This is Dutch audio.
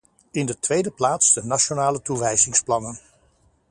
In de tweede plaats de nationale toewijzingsplannen.